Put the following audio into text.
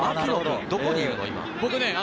どこにいるの？